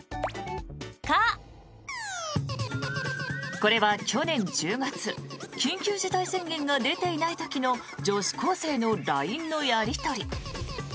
これは去年１０月緊急事態宣言が出ていない時の女子高生のＬＩＮＥのやり取り。